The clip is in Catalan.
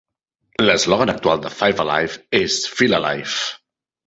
L'eslògan actual de Five Alive és Feel Alive!